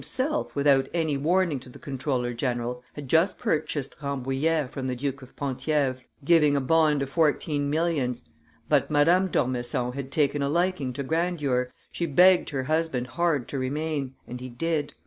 himself, without any warning to the comptroller general, had just purchased Rambouillet from the Duke of Penthievre, giving a bond of fourteen millions; but Madame d'Ormesson had taken a liking to grandeur; she begged her husband hard to remain, and he did.